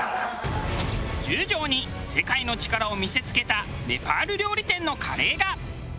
十条に世界の力を見せ付けたネパール料理店のカレーが。